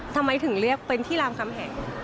ทำไมถึงเรียกเป็นที่รามคำแหง